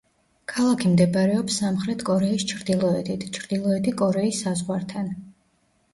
ქალაქი მდებარეობს სამხრეთ კორეის ჩრდილოეთით, ჩრდილოეთი კორეის საზღვართან.